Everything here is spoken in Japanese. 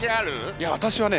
いや私はね